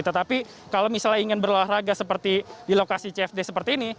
tetapi kalau misalnya ingin berolahraga seperti di lokasi cfd seperti ini